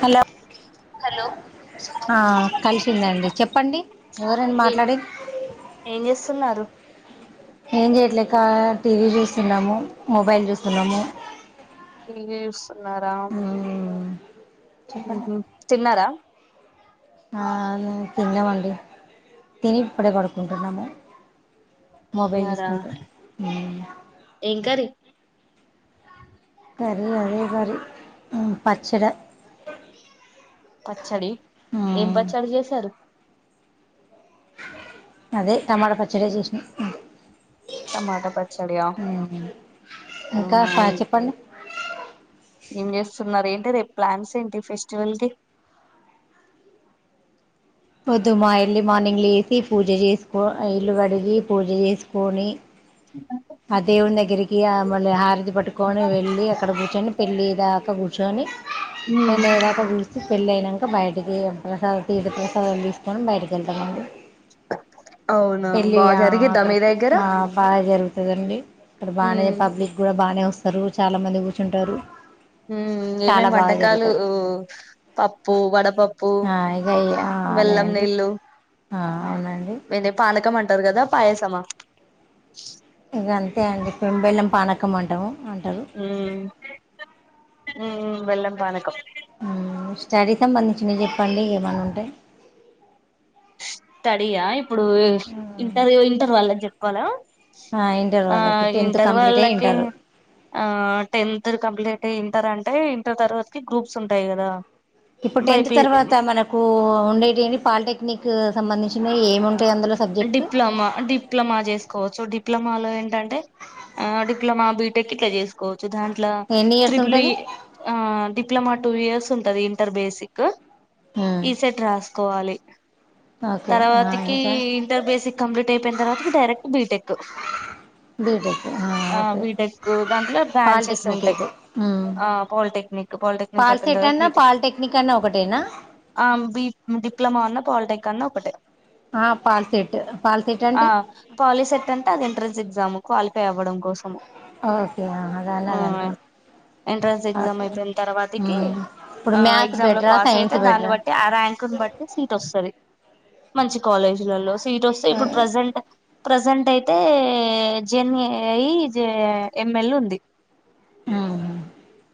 Hello hello ఆ కలిసిందండి చెప్పండి ఎవరండి ఏ మాట్లాడేది ఏం చేస్తున్నారు ఏం చేయట్లేక టీవీ చూస్తున్నాము మొబైల్ చూస్తున్నాము ఏ ఉన్నారా మ్మ్ తిన్నారా అను తిన్నామండి తిని ఇప్పుడే పడుకుంటున్నాము మొబైల్ తిన్నారా తీసుకుంట ఏం కర్రీ కర్రీ అదే కర్రీ ఉమ్ పచ్చిడి పచ్చడి ఏం పచ్చడి చేశారు అదే టమాట పచ్చడి చషణం టమాటా పచ్చడి ఆ ఇంకా ఉమ్ చెప్పండి ఎమ్ చెస్టునారు ఏంటి రేపు ప్లాన్స్ ఏంటి ఫెస్టివల్ కి పొద్దుమా ఎర్లీ మార్నింగ్లు వేసి పూజ చేసుకో ఇల్లు కడిగి పూజ చేసుకొని ఇ మళ హారది పట్ కొని వెళ్ళలి అక్కడ కూర్చొని పెళ్ళలి దాకా చుని ఫ ఉమ్ లేద కబూత పెళ్ళి అయినాక బయటికిస టీ ప్రసలు తీసుకొని బయటికి వెళ్తామండి అవునా పెళ్ళి బాగా జరిగిద్దా మీ దగ్గర బాగా కదండి అక్కడ ఉమ్ బాగానే పబ్లిక్ కూడా బాగానే వస్తారు చాలా మంది కూర్చుంటారు ఉమ్ ఏమేం చాలా బాగా వంటకాలు జరుగుతుంది పప్పు వడపప్పు ఇక అదే బెల్లం అండి నీళ్ళు అవునండి వే పనకం వంట టరు కదా పయసమా ఇగా అంతే అండి పెంబెల్లం పానకం అంటాము అంటారు ఉమ్ ఉమ్ బెల్లం పనకం ఉమ్ స్టడీ సంబంధించినవి చెప్పండి ఏమన్నా ఉంట స్టడీ ఆ ఇ ఇప్పుడు ఇంటర్ ఇంటర్ వళ్ల చెప్ అవునా ఆ ఇంటర్ ఆ వాళ్ళకి టెన్త్ ఇంటర్ కంప్లీట్ అయి వాళ్ళకి ఇంటారు ఆ టెన్త్ కంప్లీట్ అంటే ఇంటర్ అంటే ఇంటర్ తర్వాతకి గ్రూప్స్ ఉంటాయి కదా ఇప్పుడు టెన్త్ బైపీ తర్వాత మనకు ఉండేది ఏమి పాలిటెక్నిక్ సంబంధించినవి ఏముం డిప్లొమా డిప్లొమా చేసుకో సో డిప్లొమాలో ఏంటంటే ఆ డిప్లమా బీ టెకిట్లా చేసుకోవు చు దాంట్లో ఎన్ని ఇయర్స్ త్రిపులి ఉంటది ఆ డిప్లమా టూ ఇయర్స్ ఉంటది ఇంటర్ బేసిక్ ఈసెట్ రాసుకోవాలి ఓకే ఆ తర్వాతకి ఇంకా ఇంటర్ బేసిక్ కంప్లీట్ అయిపోయిన తర్వాత ఇక డైరెక్ట్ బీటెక్కు బీటెక్ ఆ ఓకే బీటెక్ దాంట్లో బ్రాంచెస్ పాలిటెక్నిక్ ఉంటాయి. అయితే ఆ పాలిటెక్నిక్ పాలిటెక్నిక్ అయిపోయిన పాల్సెట్ తర్వాత అన్నా బీటెక్ పాలిటెక్నిక్ అన్నా ఒకటేనా ఆ బ డిప్లమా అన్న పాల్ టెక్ అన్నాఒకటే పాల్సెట్ పాల్సెట్ ఆ అంటే పాలిసెట్ అంటే అది ఎంట్రెన్స్ ఎగ్జాము క్వాలిఫై అవ్వడం కోసము ఓకే దాన్ని ఆ అది అంటారు ఎంట్రన్స్ ఎగ్జామ్ ఓకే అయిపోయిన తర్వాతకి ఇప్పుడు ఆ మ్యాథ్స్ ఎగ్జామ్ లో బెటరా పాస్ అయితే సైన్స్ దాన్ని బెటరా బట్టి ఆ ర్యాంకుని బట్టి సీట్ వస్తది. మంచి కాలేజ్ [unintelligible] సీట్ వస్తే ఇప్పుడు ప్రజెంట్ ప్రజెంట్ అయితే జెన్ఏఐ జె ఎంఎల్ ఉంది.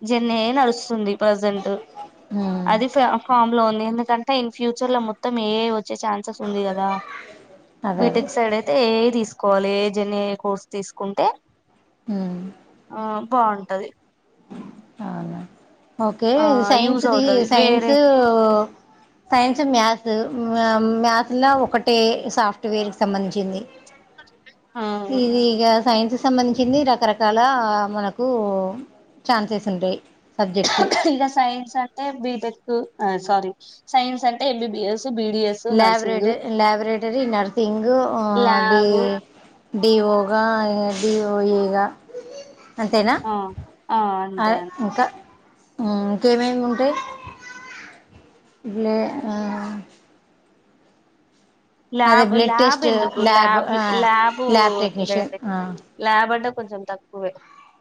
జెన్ఏఐ యే నడుస్తుంది ప్రజెంట్ అది ఫ ఫామ్ లో ఉంది ఏం అంటే ఇన్ ఫ్యూచర్ లో మొత్తం ఏఐ వచ్ వచ్చే ఛాన్సెస్ ఉంది గదా అదే అదే బిటెక్ సైడైతే ఏఐ ది తీసుకోవాలి ఏఐజ్ అనే కోర్స్ తీసుకుంటే హ్మ్ బావుంటది అవునా ఓకే ఆ సైన్స్ యూజ్ ది అవుతది వేరే సైన్స్ సైన్సు మేథ్సు మె మేథ్స్ ఇలా ఒకటే సాఫ్ట్వేర్ కి సంబంధించింది ఆ ఈజీగా సైన్స్ సంబంధించింది రకరకాల మనకు ఛాన్సెస్ ఉంటాయి సబ్జెక్ట్స్ కా సయిన్ అంటే బీటెక్ సారీ సైన్స్ అంటే ఎబిబిఎస్ ల్యాబరేటరి ల్యాబరేటర నర్సింగ్ డి ల్యాబ్ డిఓగా డిఓఇగా అంతేనా ఆ ఆ అంతే అదే ఇంకా హ్మ్ ఇంకేమేమి ఉంటాయి అదే ల్యాబ్ బ్లడ్ ల్యాబ్ టెస్ట్ ఎందుకు ల్యాబ్ ఆ ల్యాబ్ వద్దులేండి ల్యాబ్ అంటే కొంచెం తక్కువే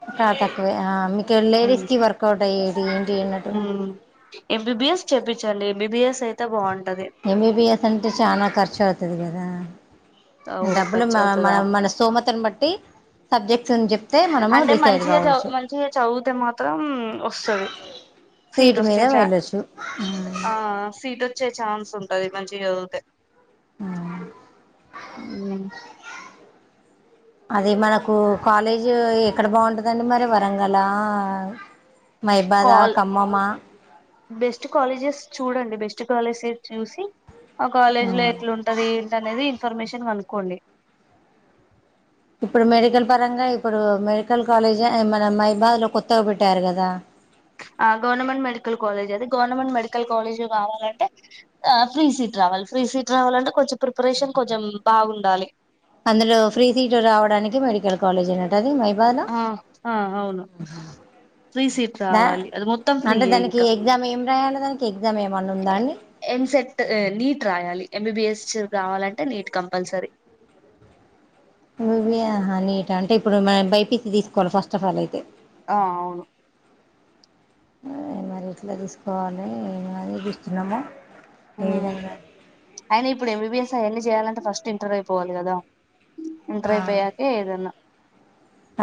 ఇంకా తక్కువే ఆ మీకు లేడీస్ కి వర్కౌట్ అయ్యే త ఏనడు ఎంబీబీఎస్ చెప్పించాలి ఎంబీబీఎస్ అయితే బాగుంటంది ఎంబిబిఎస్ అంటే చనా ఖర్చు అవుతుది కదా ఓ డబ్బులు ఖర్చు మన అవుతదా మన సోమత అని బట్టి సబ్జెక్ట్ అంటే మంచిగా చ మంచిగా చదివితే మాత్రం వస్తుది సీట్ సీటు వస్తే మీద చ వెళ్ళొచ్చు ఆ సీట్ వే వచ్చే ఛాన్స్ ఉంటది మంచిగా చదితే ఆ అవు అది మనకు కాలేజీ ఎక్కడ బాగుంటందండి మరి వరంగల్ల మైబాద కాల్ ఖమ్మమ్మా బెస్ట్ కాలేజెస్ చూడండి బెస్ట్ కాలేజె చూసి ఆ కాలేజ్ లో ఎట్లాంటది ఏంటినేది ఇన్ఫర్మేషన్ కనుకోండి ఇప్పుడు మెడికల్ పరంగా ఇప్పుడు మెడికల్ కాలేజ్ మన మైబాద్ లో కొత్తగా పెట్టారు కదా ఆ గవర్నమెంట్ మెడికల్ కాలేజ్ అది గవర్నమెంట్ మెడికల్ కాలేజ్ కావాలంటే ఫ్రీ సీట్ రావాలి ఫ్రీ సీట్ రావాల అంటే కొంచెం ప్రిపరేషన్ కొంచెం బాగుండాలి అందులో ఫ్రీ సీట్ రావడానికి మెడికల్ కాలేజ్ అన్నట్టు అది మై ఆ అవును ఫ్రీ సీట్ దా రావాలి అది మొత్తం ఫ్రీయ ఇంకా తనేకె ఎంసెట్ నీట్ రాయాలి ఎంబిబిఎస్ రావాలంటే నీట్ కంపల్సరీ నువహా నీట్ అంటే ఇప్పుడు మనం బైపించి తీసుకోవాలి ఫస్ట్ ఆఫ్ ఆల్ అయితే ఆ అవును ఏ మరి ఎట్లా తీసుకోవాలి అని జూస్తున్నము అయిన ఇప్పుడు ఎం బి బిఎస్ అయన్ని చేయాలం ఫస్ట్ ఇంటర్వూ అయి పోవాలి కదా ఇంటర్ అయిపోయాకే ఏదన్నా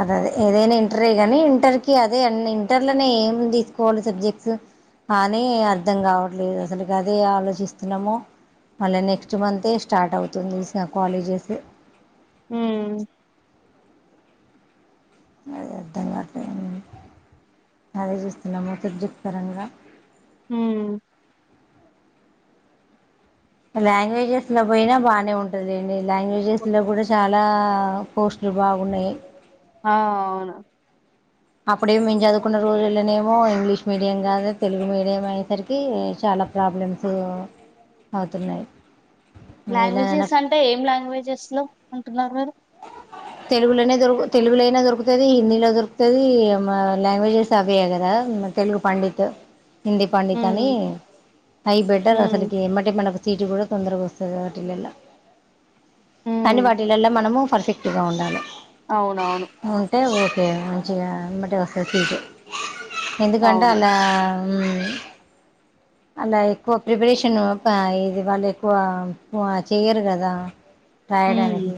అదదే ఏదైనా ఇంటరే గానీ ఇంటర్కి అదే అండి ఇంటర్లోనే ఏం తీసుకోవాలి, సబ్జెక్ట్స్ అనీ అర్థం కావట్లేదు అసలుకి అదే ఆలోచిస్తున్నాము. మళ్ళీ నెక్స్ట్ మంతే స్టార్ట్ అవుతుంది కాలేజెస్, హ్మ్ అదే అర్థం కావట్లే మ్మ్, అదే జూస్తున్నాము సబ్జెక్ట్ పరంగా. ఉమ్, లాంగ్వేజెస్ లో బోయినా బానే ఉంటదీండి లాంగ్వేజస్ లో కూడా చా చాలా పోస్టులు బాగున్నాయి ఆ అవును అప్పుడే మేము చదువుకున్న రోజుల్లోనేమో ఇంగ్లీష్ మీడియం కాదు తెలుగు మీడియం అయ్యేసరికి చాలా ప్రాబ్లమ్స్ అవుతున్నాయి ఎలానైనా లాంగ్వేజెస్ అంటే ఏం లాంగ్వేజెస్ లో ఉంటున్నారు మీరు తెలుగులోనే దొరుకు తెలుగు లైనా దొరుకుతది, హిందీలో దొరుకుతది, మాలాంగ్వేజెస్ అవే కదా తెలుగు పండిత్. హిందీ పండిత్ ఉమ్, అని హై బెట్టర్ ఉమ్, అసలుకి ఎమ్మటే మనకు సీటు కూడా తొందరగొస్తది వాటిలల్లా కానీ ఉమ్, వాటిలల్లా మనము ఎఫెక్ట్ గా ఉండాలె అవునవును ఉంటే ఓ మంచిగా ఎమ్మటే వస్తాది సీటు ఎందుకంటే అవును అలా మ్మ్ అలా ఎక్కువ ప్రిపరేషన్ ప ఇది వాళ్ళు ఎక్కువ చెయ్యరు కదా, రాయడానికి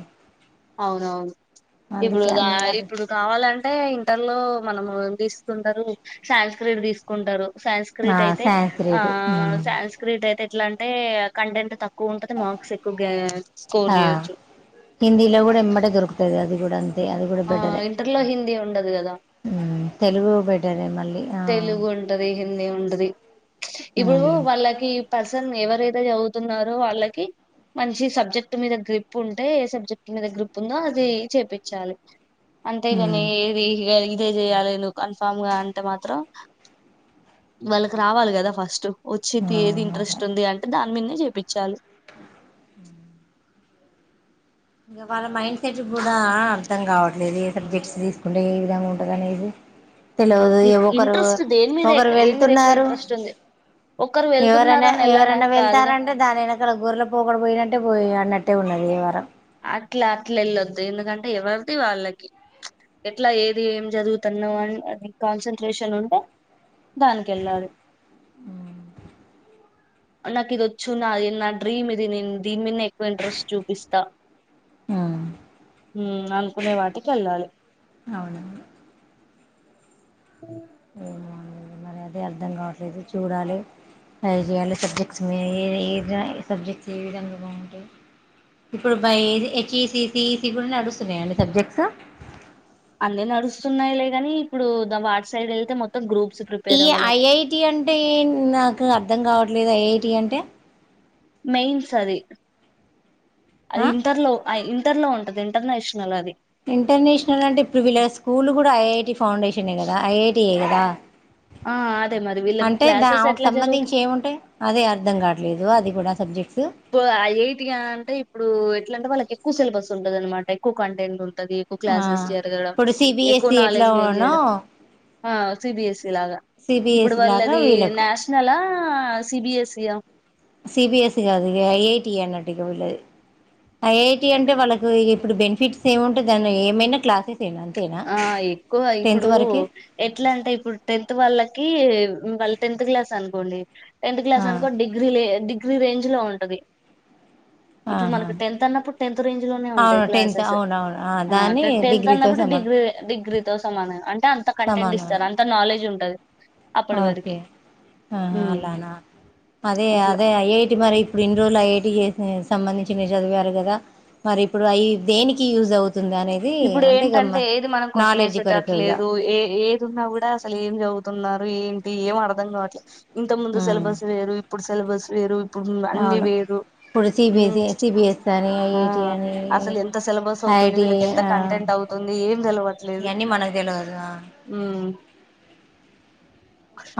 అవును అవును ఇప్పుడు అందుకే దారి అందువారు ఇప్పుడు కావాలంటే ఇంటర్ లో మనము తీసుకుంటరు శాన్స్క్రిట్ తీసుకుంటరు శాంస్క్రిట్ అయితే ఆ సాన్స్క్రిట్ శాంస్క్రిట్ అయితే ఎట్లాంటే కంటెంట్ త క్కువ ఉంటది మార్క్స్ ఎక్కువ గ్యా స్కోర్ ఆ జేయొ హిందీలో కూడా ఎమ్మటే దొరుకుతాది అది ఉడంగ తే అది కూడా ఆ బెటరే ఇంటర్ లో హిందీ ఉండదు కదా మ్మ్ తెలుగు బెటరే మ తెలుగు ఉంటది హిందీ ఉంటది ఇప్పుడు ఉమ్ వాళ్ళకి పర్సన్ ఎవర్ దైతే చదువుతున్నారో వాళ్ళకి, మంచి సబ్జెక్ట్ మీద గ్రిప్ ఉంటే ఏ సబ్జెక్ట్ మీద గ్రూప్ ఉందో అది చేపిచ్చాలి. ఉమ్ అంతేగమే ఏది [unintelligible] తే చేయాలి. నువు కన్ఫామ్ గాన్ టె మాత్రం వాళ్ళకి రావాలి కదా ఫస్ట్. ఆ ఒచ్చిద్దీ ఏది అదే ఇంట్రెస్ట్ ఉంది అంటే, దాన్ నింగ చేపిచ్చాలి. ఇంక వాళ్ళ మైండ్ సెట్ కూడా అర్థం కావట్లేదు, ఏ సబ్జెక్ట్స్ తీసుకుంటే ఏ విధంగా ఉంటుందనేది. తెలవదు ఇగ ఒకరు ఇంట్రెస్ట్ దేని మీద ఒకరు ఎక్- దేని మీద ఎక్కువ వెళ్తున్నారు, ఇంట్రెస్ట్ ఉంది ఒకరు ఎవరన్న వెళ్తున్నారని వెళ్ళడం ఎవరన్న వెళ్తారా కాదుగా అంటే, దాని ఎనకాల గొర్ల పోకడ పోయినట్టే పోతరిగ అన్నట్టు. ట్టే ఉన్నది యవ్వరం అట్లా అట్లా వెళ్ళొద్దు ఎందుకంటే ఎవరిది వాళ్ళకి ప్చ్ ఎట్లా ఏది ఏం జదువుతన్నావ్ అని అది కాన్సన్ ట్రేషన్ ఉంటే దానికి వెళ్ళాలి. నాకి ఇదొచ్చు నాది నా డ్రీమ్ ఇది నేను దీని మీన్నే ఎక్కువ ఇంట్రెస్ట్ చూపిస్తా ఆ మ్మ్ అనుకునే వాటికెళ్ళాలి అవునండి. ఏమో అండి. ఇప్పుడు బ A H E C, C E C కూడ నడుస్తున్నాయ అండి సబ్జెక్ట్స్? అన్నీ నడుస్తున్నాయిలే కనీ, ఇప్పుడు దా వాటి సైడ్ వెళ్తే మొత్ ఈ ఐఐటి అంటే ఏన్, నాకు అర్ద్ అర్థం కావట్లేద ఐ ఐ టి అంటే? మెయిన్స్ అది. అది ఆ ఇంటర్లో. అ ఇంటర్ లో ఉంటది, ఇంటర్నేషనల్ అది. ఇంటర్నేషనల్ అంటే ఇప్పుడు వీళ్ళ స్కూల్ కూడ డ ఐ ఐ టి ఫౌన్ ఫౌండేషనే కదా, ఐ ఐ టీ ఏ కదా? ఆ అదే మరి ఆ వీళ్ళకు అంటే దా క్లాసెస్ ఆమెకు ఎట్లా జరుగుతు సంబంధించి ఏముంటయ్, అదే అర్ధం కాట్లేదు? అది కూడా సబ్జెక్ట్ ఇప్పుడు ఐ ఐ టి అంటే, ఇప్పుడు ఎట్లాంటే వాళ్ళకి చెప్ క్కువ సిలబస్ ఉంటదన్నమాట, ఎక్కువ కంటెంటుమ్ టది ఎక్కువ ఆ క్లాసెస్ జరగడం, ఇప్పుడు ఎక్కువ సిబిఎస్ఈ నాలెడ్జ్ గెన్ ఎట్లానో చేయడం. ఆ సి బి ఎస్ ఈ ఇలాగా, ఇప్పుడు సిబిఎస్ఈ లాగా వాళ్ళది వీళ్ళకు నేషనలా? ఆ? సి బి ఎస్ ఈ ఆ? సి బి ఎస్ ఈ కాదు ఇగ ఐ ఐ టి అన్నట్టిగా వీళ్లది. ఐ ఐ టి అంటే, వాళ్ళకు ఇగ ఇప్ ఇప్పుడు బెనిఫిట్స్ ఏముంటాయి దాని ఏమైనా క్లాసెస్ ఏనా అంతేనా ఆ ఎక్కువ టెన్త్ ఇప్పుడు వరకే ఎట్లా అంటే ఇప్పుడు టెన్త్ వాళ్ళకి వాళ్ళు టెన్త్ క్లాస్ అనుకోండి టెన్త్ క్లాస్ ఆ అనుకో డిగ్రీ లే డిగ్ గ్రీ రేంజ్ లో ఉంటది ఇప్పుడు ఆహా మనకు టెన్త్ అన్నప్పుడు టెన్త్ రేంజ్ లోనే ఉంటాయి అవును టెన్త్ క్లాసెస్ అవునవును ఆ దాన్ని టెన్త్ డిగ్రీతో ఎల్తాన్నప్పుడు సమానం డిగ్ డిగ్రీతోో సమనం అంటే అంత కంటెంట్ సమానం ఇస్తారు అంత నాలెడ్జ్ ట్లూండది ఓకే, ఆహా అలానా. అదే అట్లా అదే ఐ ఐ టి మరి ఇప్పుడు ఇన్ని రోజులు ఐ ఐ టి చేస్ ఉమ్ సంబంధించినవి చదివారు కదా, మరి ఇప్పుడు అయి దేనికి యూజ్ అవుత్ ఇప్పుడు ఏంటంటే ఏది మనం క్వశ్చన్ నాలెడ్జ్ కొరకు ఇగ ఏసేటట్లేదు, ఏ ఏది ఉన్నా కూడా అసలు ఏం చదువుతున్నార్. ఏంటి ఏం అర్ధం కావట్లే ఇంత ముందు సిలబస్ వేరు ఇప్పుడు సిలబస్ వేరు ఇప్పుడు అన్ని అవును వేరు ఇప్పుడు ఉమ్, సిబిసి సిబిఎస్ అని ఆ ఐఐటి అని ఐఐటిఐ అ కంటెంట్ అవుతుంది ఏం తెలవట్లేదు మనకు తెలియదు హు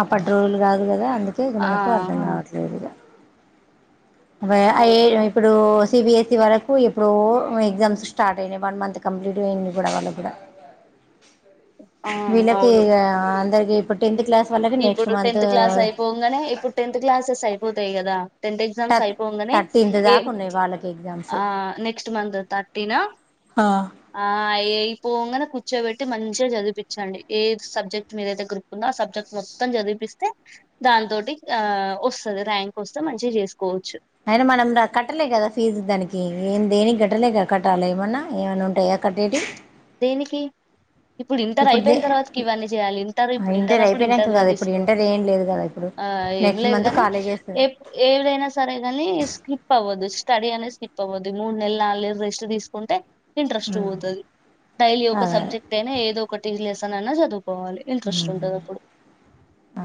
అప్పటి రోజులు కాదు కదా అందుకే ఇగ ఆ మనకు అర్థం కావట్లేదు ఇగ వే ఐ అవు అ ఇప్పుడు సిబిఎస్ఈ వరకు ఎప్పుడో ఎగ్జామ్స్ స్టార్ట్ అయినాయి వన్ మంత్ కంప్లీట్ అఇంది కూడా వాళ్ళు కూడా ఆ అవును విళ్ళకిగా అందరి ఇగ ఇప్పుడు టెన్త్ క్లాస్ వాళ్ళకి నెక్స్ట్ ఇప్పుడు మంత్ టెన్త్ క్లాస్ అయిపొంగానే ఇప్పుడు టెన్త్ క్లాసెస్ అయిపోతాయి కదా టెన్ ఎగ్జామ్స్ థర్ అయిపొంగా థర్టీన్త్ ఏ దాకా ఉన్నాయి వాళ్ళకి ఎగ్జామ్స్ నెక్స్ట్ మంత్ తర్టీన ఆ ఆ అయి అయిపొంగనే కూర్చోబెట్టి మంచిగా చదిపించండి ఏ సబ్జెక్ట్ మీదయితే గ్రీప్ ఉందో ఆ సబ్జెక్ట్ మొత్తం చదిపిస్తే దానితోటి ఆ వస్తది ర్యాంక్ వస్తే మంచిగా చేసుకోవచ్చు అయినా మనం కట్టలే కదా ఫీజు దానికి ఏం దేనికి కట్టలే కదా కట్టాల ఏమన్నా ఏమన్నా ఉంటాయా కట్టేటియి దేనికి ఇప్పుడు ఇంటర్ అయిపోయిన తర్వాతకి ఇవన్నీ చేయాలి ఇంటర్ ఇప్పుడు ఇంటర్ అప్పుడు ఇంటర్ అయిపోయినాక దే కదా ఇప్పుడు తీసుకో ఇంటర్ ఏం లేదు కదా ఇప్పుడు ఆ ఏం నెక్స్ట్ లేదు మంత్ కాని కాలేజెస్ ఇప్ ఏదైనా సరే కాని స్కిప్ అవ్వదు స్టడీ అనేది స్కిప్ అవ్వొద్దు ఈ మూడు నెలలు నాలుగు నెలలు రెస్ట్ తీసుకుంటే ఇంట్రెస్ట్ పోతది డైలీ ఒక్క అదే సబ్జెక్ట్ అయినా ఏదో ఒకటి లేసన్ అన్న చదువ్ కొవాలి ఇంట్రెస్ట్ ఉంటది అప్పుడు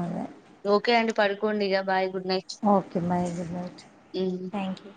అదే ఓకే అండి పడుకొండిగా బాయ్ గుడ్ నైట్ ఓకే మరి గుడ్ నైట్ థ్యాంక్ యూ